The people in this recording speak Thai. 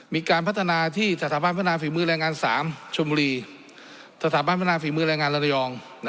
มีการพัฒนาที่สถาบันพัฒนาฝีมือแรงงาน๓ชมบุรีสถาบันพัฒนาฝีมือแรงงานระยอง